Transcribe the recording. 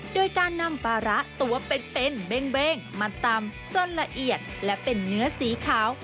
โดยการนำปลาร้าตัวเป็นเบ้งมาตำจนละเอียดและเป็นเนื้อสีขาว